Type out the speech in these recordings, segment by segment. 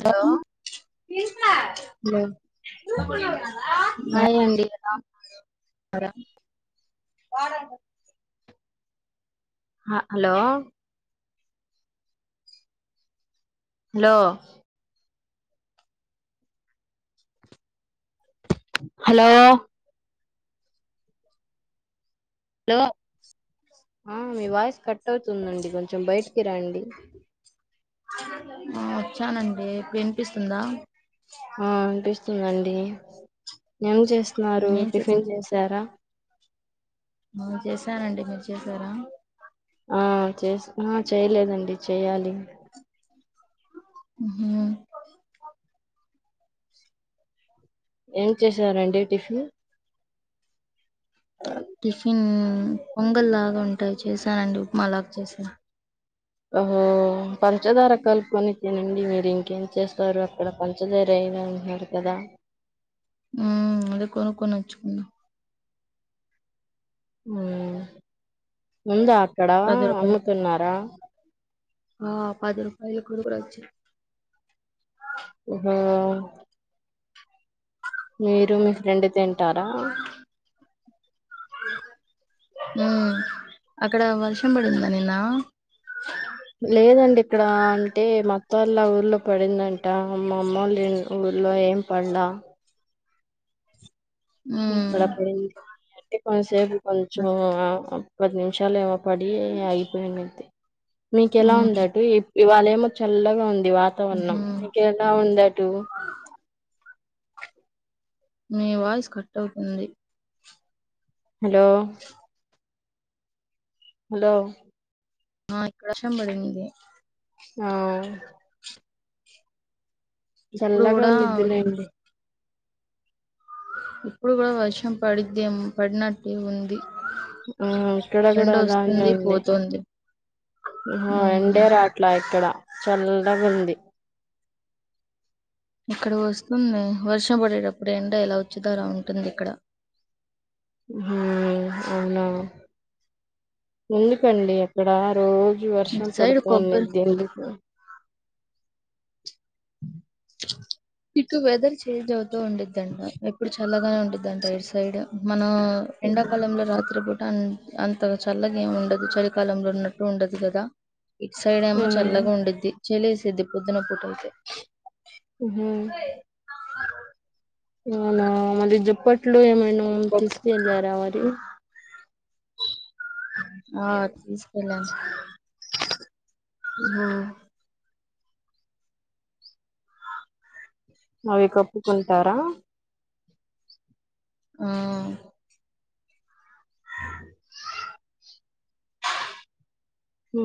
Hello hello hi అండి [unintelligible] hello hello hello ఏ మ్మ్ మీ వాయిస్ కట్ కట్ అవుతుందండి కొంచెం బయటికి రండి ఆ వచ్చానండి ఇప్పుడు వినిపిస్తుందా ఆ వినిపిస్తుందండి ఏం చేస్ న్నారు ఏం చే టిఫిన్ చేసారా చేసనండీ మీరు చేసారా ఆ చేసిన చేయలేదండి చేయ్యాలి ఉహు ఏం చేసారండి టిఫిన్ టిఫిన్ పొంగల్ లాగా ఉంటాయి చేశానండి ఉప్మా లాగా చేసాను ఓహో పంచదార కల్పన తనండి మీరు ఇంకేం చేస్తారు అక్కడ పంచదార అయినా అంటున్నారు కదా మ్మ్ అదే కొనుకొని వచుకున ఉందా ఇక్కడ పది రూపాయలు అమ్ముతున్నారా ఆ పది రూపాయల [unintelligible] ఓహో మీరు మీ ఫ్రెండ్ [unintelligible] ఉంటారా ఊ అక్కడ వర్షం పడిందా నిన్న లేదండి ఇక్కడ అంటే మా అత్త వాళ్ళ ఊర్లో పడిందంట మా అమ్మ వాళ్ళ ఊర్లో ఏం పడలా హు ఉమ్ అక్కడ పడింది ఈ కొంతసేపు కొంచెం అచ్- ఆ పది నిమిషాలేవో పడి అయిపోయిండే అన్తే మీక ఎలా ఉమ్ ఉంది అటు ఇప్ ఈవాలయమో చల్లగా ఉన్ ఈ వాతావరణం ఉహు మీకు ఎలా ఉంది అటు మీ వాయిస్ కట్ అవుతుంది. హలో హలో ఆ ఇక్కడ వర్షం పడింది. ఆ ఇప్పుడు చల్లగా కూడా ఉన్నిద్దులేండి. ఇప్పుడు కూడా వర్షం పడిద్దేం పడినట్టే ఉంది. ఆ ఇక్కడ కూడా ఎండ అలానే వస్తుంది ఉంది పోతుంది ఆహా ఉమ్ ఎండేరావట్లా ఇక్కడ చల్లగుంది. ఇక్కడ వస్తుంది వర్షం పడేటప్పుడు ఎండ ఎలా వచ్చుతో అలా ఉంటుంది ఇక్కడ ఉ హు అవునా ఎందుకండి అక్కడ రోజు వర్షం ఇటు సైడ్ కొబ్బరి పడుతాన్నింది ఎందుకు ఆ ఇటు వేదర్ చేంజ్ అవుత్ అవుతు ఉండుద్దండి ఇప్పుడు చాలా మబ్బుగా ఉండుద్దండి ఈట్ సైడ్ మా ఎండాకాలంలో రాత్రి పూట్ అన్ అంత చల్లగా ఏమి ఉండదు చలికాలంలో ఉన్నట్టు ఉండదు కదా ఇట్ సైడ్ ఏమో ఉమ్ చల్లగా ఉండిద్ది చలేసేద్ది పొద్దున పూట ఆ హు ఆ అవునా మళీ దుప్పట్లు ఏమైనా ఆమ్ కొబ్- తీసుకెళ్లారా మరి ఆ తీస్కెళ్ళాం హ అవి కప్పుకుంటారా ఆ ఆ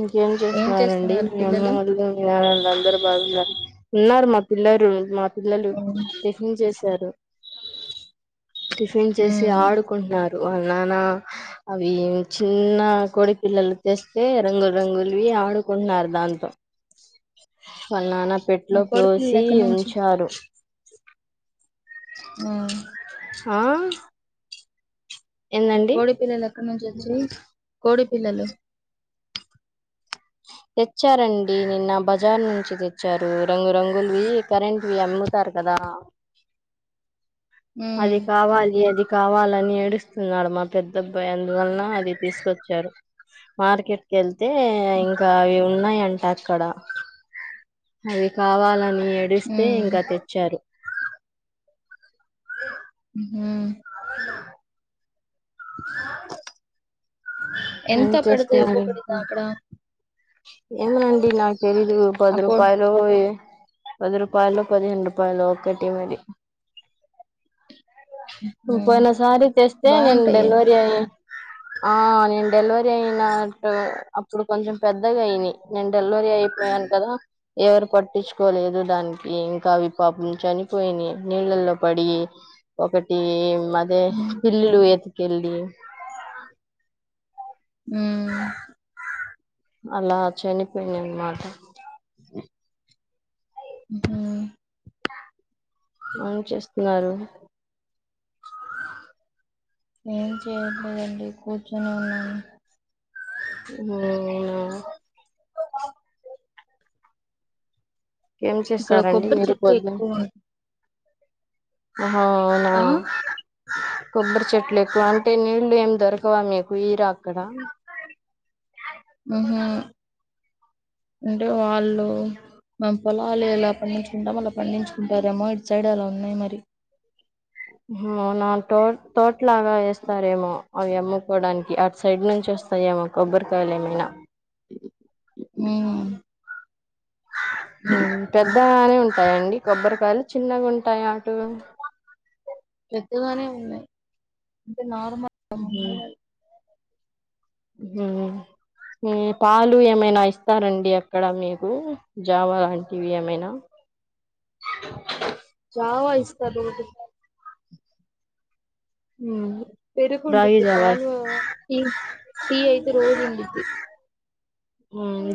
ఇకేం ఏం చేస్తున్నారండి. చేస్తున్నారు మీ అమ్మ పిల్లలు వాళ్ళు మీ నాన్న వాళ్ళు అందరూ బాగున్నారా ఉన్నారు మా పిల్లాలు పిల్లలు ఉమ్ టిఫిన్ చేశారు టిఫిన్ చేసి ఆడుకుంటున్నారు. వాళ్ళ నాన్న అవి చిన్న కోడి పిల్లలు తెస్ తెస్తే రంగుల్ రంగుల్వి ఆడు ఆడుకుంటున్నారు దాంతో వాళ్ళ నాన్న ఉమ్ పెట్లో కోడి పిల్లలు పోసి ఎక్కడి నుంచి ఉంచారు ఆ ఆ ఏందండి కోడి పిల్లల్ ఎక్కన్నుంచి వచ్చి కోడి పిల్లలు తెచ్చారండి. నిన్న బజార్ నుంచి తెచ్చారు. రంగు రంగుల్వి కరెక్ట్ వి ఇస్తార్ కదా అది ఉమ్ కావాలి. అది కావాలని నేడు వస్తున్నాడు. మా పెద్ద అబ్బాయి అందువలన అది తీసుకొచ్చారు. మార్కెట్ కే అయితే ఇంకా అవి ఉన్నాయింటే ఎక్కడ అవి కావాలని ఏడిస్తే ఉమ్ ఇంకా తెచ్చారు హ్మ్ ఏం ఎంత చేస్తున్నా పడతాయి ఒక్కొక్కటి రాండి. అక్కడ ఏమోనండి నాక్ తెలీదు ఆ పది కో రూపాయలు పది రూపాయలు, పదిహేను రూపాయలు ఒకటి మరి ఉమ్ పోయిన సారి తెస్తే నేను బాగుంటాయి అవి డెలివరీ అయి ఆ నేను [unintelligible] అప్పుడు కొంచెం పెద్దగా అయినాయ్ నే డెల్వరీ అయిపోయాను. కదా ఎవరు పట్టించుకోలేదు. దానికి ఇంకా అవి పాపం చనిపోయినాయ్ నీళ్ళల్లో పడి ఒకటి అదే ఉమ్ ఇల్లిలు వేత్కి వెళ్లి ఉమ్ అలా చనిపోయింది అన్నమాట మ్ హు ఏం చేస్తున్నారు ఏం చేయట్లేదండి కూర్చొని ఉన్నాను అవునా [inaudible] ఏం ఇక్కడ చేస్తారండి కొబ్బరి మీరు చెట్లు పొద్దు ఎక్కువ ఉం అవునా ఆ కొబ్బరి చెట్లు ఎక్కువ అంటే నీళ్లు ఏం దొరక క మీకు ఇరా మ్మ్ హు అంటే వాళ్ళు మా పొలాలు ఎలా పండించుకుంటాం అలా పండించుకుంటారేమో ఇట్ సైడ్ అలా ఉన్నాయి మరి అవునా తో తోటలాగా వేస్తారేమో అవి అమ్ముకోడానికి అటు సైడ్ నుంచి వస్తాయేమో కొబ్బరికాయలు ఏమైనా మ్మ్ మ్మ్ పెద్ గానే ఉంటాయండి కొబ్బరికాయలు చిన్నగా ఉంటాయి అటు పెద్దగానే ఉన్నాయ్ అంటే నార్మల్ ఉహు, అవునులే పాలు ఏమైనా ఇస్తారండి అక్కడ మీకు జావా లాంటివి ఏమైనా జావ ఇస్తారు ఒకటి మ్మ్ పెరుగు ఉంటుంది పాలు ఈ ఈ ఐదు రోజు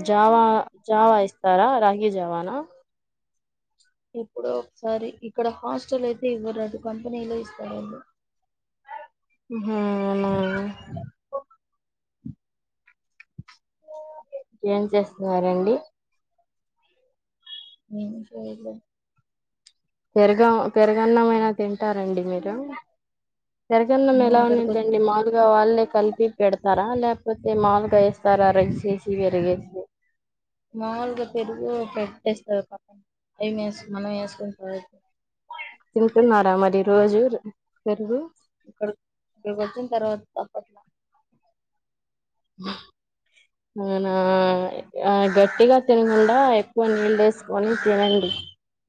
జావా జావా ఇస్తారా రాగి జావనా ఎప్పుడో ఒకసారి ఇక్కడ హాస్టల్ అయితే ఇవ్వరండి కంపెనీలో ఇస్తారండి మ్మ్ హు ఏం చేస్తున్నారండి ఏం చేయలే పెరుగ పెరుగన్నమయినా తింట్ టారండి మీరు పెరగన్నం మేము ఎలా ఇక్కడికి వచ్చి ఉన్నిద్దండీ మాలు ఇగ వాళ్ళే కలిపి పెడతారా లేకపోతే మాములుగా వేస్తారా రైస్ వేసి పెరుగేసి మామూలుగా పెరుగు పెట్టేస్తారు పక్కకి రైస్ వేసుకొని మనం వేసుకొని తింటున్నారా మరి రోజు పెరుగు ఇక్కడ ఇక్కడికి వచ్చిన తర్వాత తప్పట్లా అవునా గట్టిగా తినకుండా ఎక్కువ నీళ్ళు వేసు సుకొని తినండి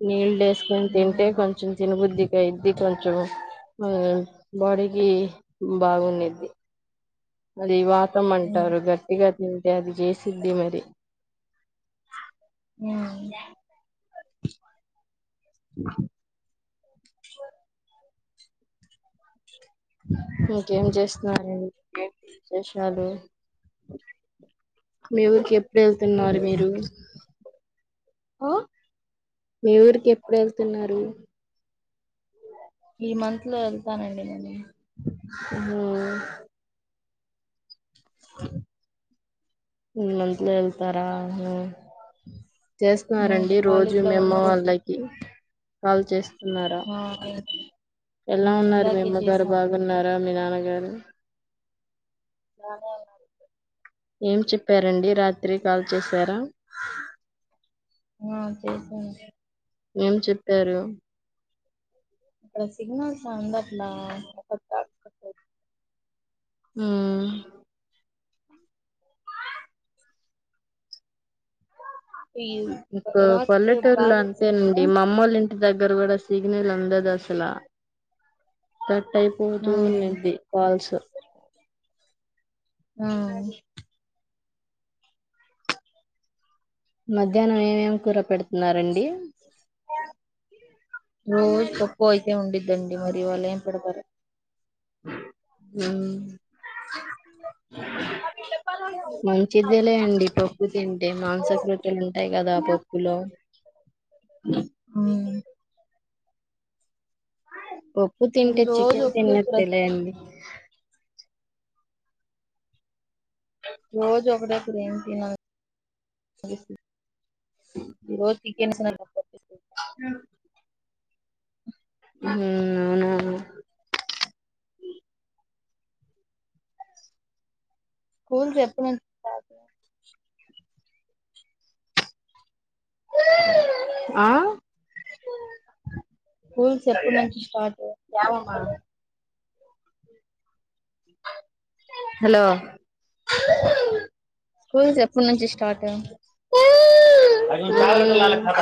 నీళ్ళు వేసుకొని తింటే మ్మ్ కొంచెం తినబుద్ది ఇకా ఇది కొంచెం బాడీకి బాగున్నద్ది అది వాత్ మంటారు మ్మ్ గట్టి గట్టి తింటే అది చేసిద్ది మరి హుమ్ [inaudible] [inaudible] ఇంకేం చేస్తున్నారు మీరు ఏ చేసినారు మీ ఊరికి ప్పుడు ఎళ్తున్నారు మీరు హలో మీ ఊరికి ఎప్పుడు ఎళ్తున్నారు ఈ మంత్ లో వెళ్తానండి మలి ఉహు ఈ మంత్లో ఎల్తరా హుమ్ చేస్తున్న ఇంకా రండి రోజు కాలేజ్ లో మీ అవన్నీ అమ్మ ఓపెన్. వాళ్ళకి కాల్ చేస్ ఉన్నార ఆ ఇం- ఎలా ఆ, ఉన్నారు మీ ఇందాకే అమ్మగారు చేసా బాగున్నార మీ నాన్ అవ్వనీ మా నాన్న కి ఏం చెప్పారండి రాత్రి కాల్ చేశరా ఆ చేసం ఏం చెప్పారు ఇక్కడ సిగ్నల్స్ అందట్లా పద్ధక్ కట్ అయ్ హుమ్ ఈ ఇంకా రాత్రి పల్లెటూళ్ళ గాలి అంతేనండి మా మమ్మలు దగ్గర గుడా సిగ్నల్ అందద్ అసలా అయిపోతూ ఆ ఉన్నిది కాల్స్ ఆ మధ్యానం ఏమేమి కూర పెడుతున్నారండి [inaudible] రోజు పప్పు అయితే ఉండిది తిండి మరి ఇవాళ ఏం పెడతారు హుమ్ మంచిదేలే అండి పప్పు తింటే మాంసకృత్తులు ఉంటాయి కదా పప్పులో హుమ్ పప్పు తింటే రోజు చికెన్ ఒకే కూర తిన్నట్టే లేండి రోజ ఒకటె కూర ఏమ్ తినా ఈరోజ్ చికెన్ సా పప్పు ఆ హుమ్ అవునా అ స్కూల్స్ ఎప్పుడు ఉంటది ఆ స్కూల్స్ ఎప్పుడు నుంచి స్టార్టు హలో స్కూల్స్ ఎప్పుడు నుంచి స్టార్ట్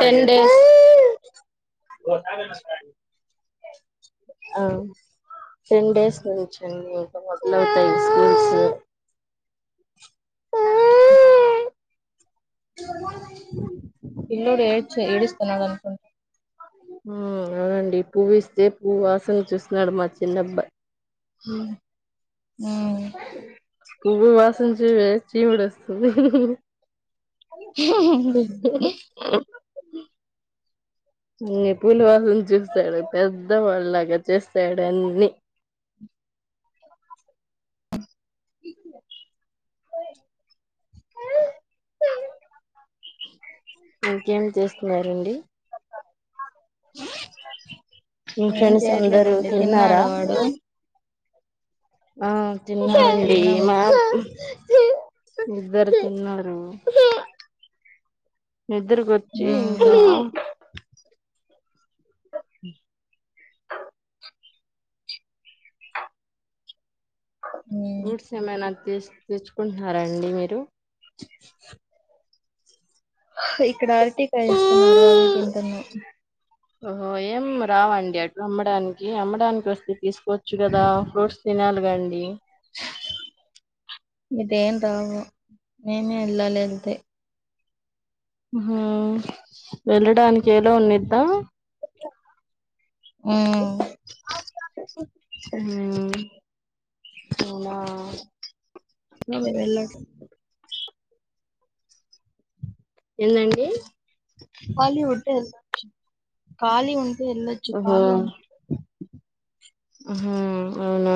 టెన్ డేస్ [unintelligible] ఆ టెన్ డేస్ నుంచి అండి ఇంకా మొదలవుతాయి స్కూల్స్ [inaudible] పిల్లోడు ఏడ్చే ఏడుస్తున్నాడు అనుకుంటా మ్మ్ అవునండ్ ఈ పువ్విస్తే పువ్ వాసన చూస్తున్నాడు మా చిన్నబ్బాయి పువ్వు వాసన చూసేసి చిముడోస్తోంది హు హు హు హా హా హా ఏ పూల వాసనా చూస్తాడు పెద్దవాడిలాగా చేస్తాడు అన్ని [inaudible] ఇంకేం చేస్తున్నారండి [inaudible] ఏం ఫ్రెండ్స్ అందరూ చేయట్లేదండి తిన్నాడ తిన్నారా వాడు ఆ ఆ తిన్ననండి తిన్నాం మా ఇద్దరు తిన్నారు నిద్రకొచ్చి ఉమ్ ఇంకా ఉమ్ ఫ్రూట్స్ ఏమైనా తెచ్చుకుంటున్నారంండి మీరు ఇకడార్ పటీకా ఇస్తున్నారు అవి తింటునా ఓహో ఏం రావండి అటు అమ్మడానికి అమ్మడానికి వస్తే తీసుకోవచ్చు కదా ఫ్రూట్స్ తినాలిగా అండి ఇదేం రావు మేమే వెళ్ళాలి వెళ్తే హ వెళ్ళడానికి ఎల్లో ఉందిద్దా ఉమ్ హ్మ అవునా [unintelligible] ఏందండి హాలీవుడ్ కాళీ ఉంట వెళ్ళచు కాలి ఉంటే అహా అవునా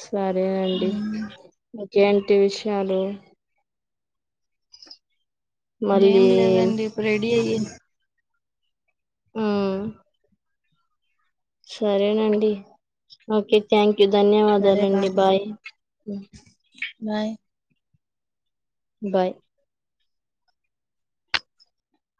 సరే అండి ఉమ్ ఏంటి విషయాలు ఏం మళ్ళీ లేదండి ఇప్పుడు అ అ [unintelligible] ఆ సరేనండి ఓకే థ్యాంక్ యూ ధన్యవాదాలండి బాయ్ హ్మ్మ్ [inaudible] బాయ్ బాయ్